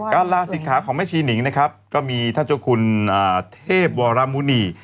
ลาศิกขาของแม่ชีนิงนะครับก็มีท่านเจ้าคุณเทพวรมุณี